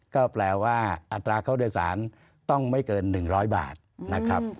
ก็แปลว่าอัตราค่าโดยสารต้องไม่เกิน๑๐๐บาทนะครับ